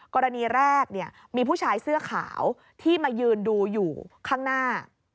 กรณีแรกมีผู้ชายเสื้อขาวที่มายืนดูอยู่ข้างหน้า